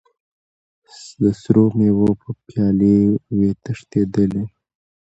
د سرو میو به پیالې وې تشېدلې